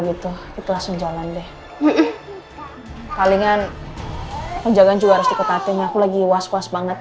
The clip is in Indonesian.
gitu ikhlas menjalankan deh kalinya penjagaan juga harus diketahui aku lagi was was banget